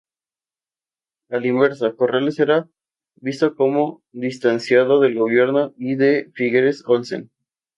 A la inversa, Corrales era visto como distanciado del gobierno y de Figueres Olsen.